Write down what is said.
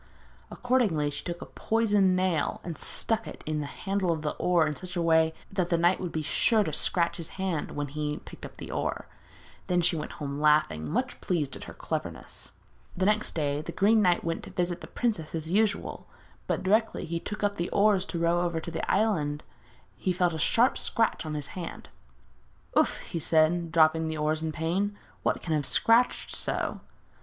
Accordingly she took a poisoned nail and stuck it in the handle of the oar in such a way that the knight would be sure to scratch his hand when he picked up the oar. Then she went home laughing, very much pleased with her cleverness. The next day the Green Knight went to visit the princess as usual; but directly he took up the oars to row over to the island he felt a sharp scratch on his hand. 'Oof!' he said, dropping the oars from pain, 'what can have scratched so?'